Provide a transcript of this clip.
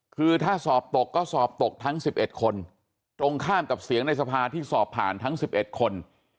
คือถ้าสอบตกก็สอบตกทั้ง๑๑คนตรงข้ามกับเสียงในสภาที่สอบผ่านทั้ง๑๑คน